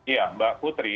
ya mbak putri